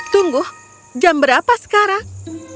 tunggu jam berapa sekarang